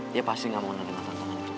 dia pasti gak mau menerima tantangan itu